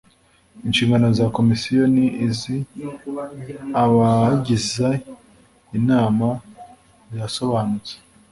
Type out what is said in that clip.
inshingano za Komisiyo n iz Abagize Inama zirasobanutse